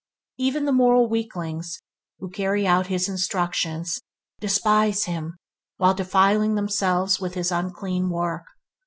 Even the moral weaklings who carry out his instructions, despise him while defiling themselves with his unclean work.